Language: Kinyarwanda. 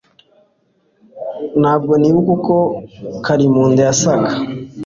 Ntabwo nibuka uko Karimunda yasaga